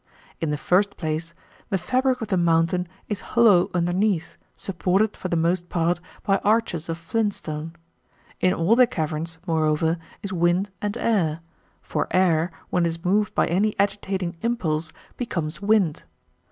In the first place, the fabric of the mountain is hollow underneath, supported, for the most part, by arches of flint stone. In all the caverns, moreover, is wind and air, for air, when it is moved by any agitating impulse^ becomes wind.